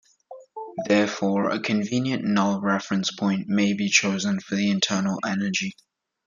Therefore, a convenient null reference point may be chosen for the internal energy.